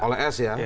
oleh s ya